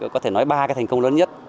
có thể nói ba thành công lớn nhất